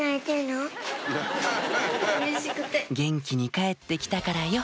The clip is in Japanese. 「元気に帰って来たからよ」